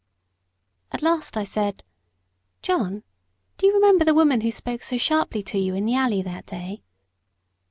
At last I said: "John, do you remember the woman who spoke so sharply to you in the alley that day?"